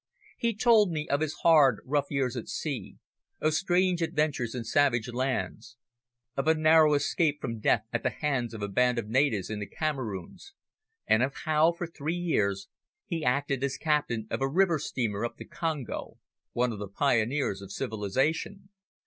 He told me of his hard, rough years at sea, of strange adventures in savage lands, of a narrow escape from death at the hands of a band of natives in the Cameroons, and of how, for three years, he acted as captain of a river steamer up the Congo, one of the pioneers of civilisation.